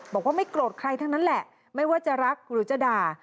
บอกว่าไม่โกรธใครทั้งนั้นแหละไม่ว่าจะรักหรือจะด่า